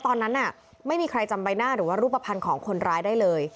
ตอนนั้นไม่มีใครจำใบหน้าหรือว่ารูปภัณฑ์ของคนร้ายได้เลย